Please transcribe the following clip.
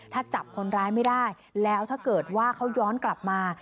ถ้าจับคนร้ายไม่ได้แล้วถ้าเกิดว่าเขาย้อนกลับมา